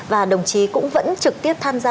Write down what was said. và đồng chí cũng vẫn trực tiếp tham gia